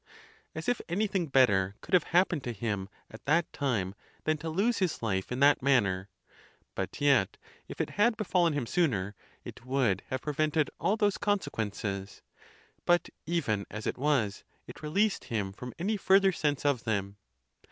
As if anything better could have happened to him at that time than to lose his life in that manner; but yet, if it had befallen him sooner, it would have prevented all those con sequences; but even as it was, it released him from any) further sense of them.